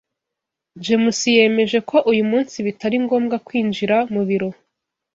James yemeje ko uyu munsi bitari ngombwa kwinjira mu biro.